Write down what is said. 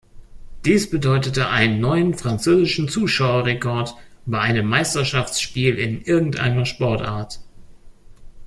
Dies bedeutete einen neuen französischen Zuschauerrekord bei einem Meisterschaftsspiel in irgendeiner Sportart.